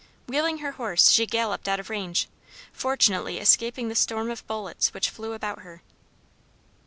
Wheeling her horse she galloped out of range, fortunately escaping the storm of bullets which flew about her.